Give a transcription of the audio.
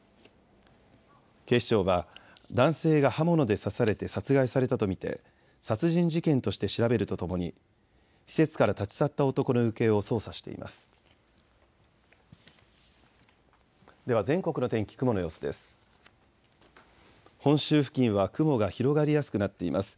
警視庁は男性が刃物で刺されて殺害されたと見て殺人事件として調べるとともに施設から立ち去った男の行方を捜査しています。